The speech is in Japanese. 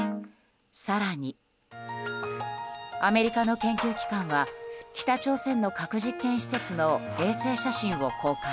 更に、アメリカの研究機関は北朝鮮の核実験施設の衛星写真を公開。